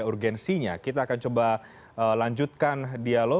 itu jadi kata kata dari shanna